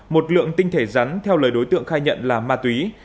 một lượng tinh thể rắn theo lời đối tượng khai nhận là ma túy